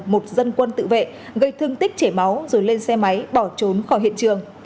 một dân quân tự vệ gây thương tích chảy máu rồi lên xe máy bỏ trốn khỏi hiện trường